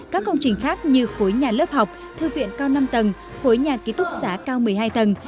các công trình khác như khối nhà lớp học thư viện cao năm tầng khối nhà ký túc xá cao một mươi hai tầng